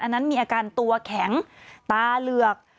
อันนั้นมีอาการตัวแข็งตาเหลือก